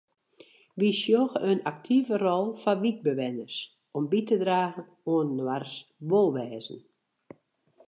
Wy sjogge in aktive rol foar wykbewenners om by te dragen oan inoars wolwêzen.